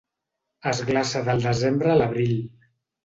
Es glaça del desembre a l'abril.